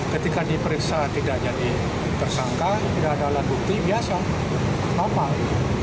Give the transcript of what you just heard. ketika diperiksa tidak jadi tersangka tidak ada alat bukti biasa normal